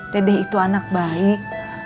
dedek itu anak baik